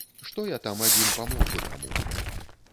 Што я там адзін памог бы каму?